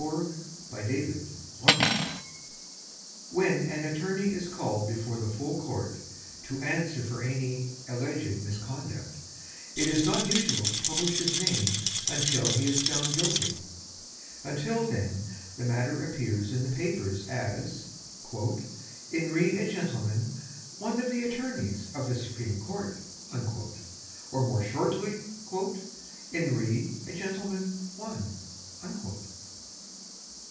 "In Re a Gentleman, One" When an attorney is called before the Full Court to answer for any alleged misconduct it is not usual to publish his name until he is found guilty; until then the matter appears in the papers as "In re a Gentleman, One of the Attorneys of the Supreme Court", or, more shortly, "In re a Gentleman, One".